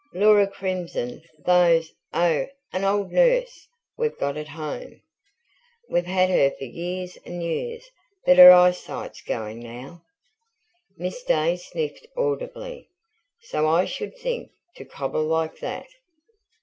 Laura crimsoned. "Those? Oh, an old nurse we've got at home. We've had her for years and years but her eyesight's going now." Miss Day sniffed audibly. "So I should think. To cobble like that!"